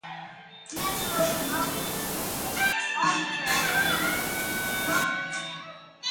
Many locomotives may be on the track and individually controlled.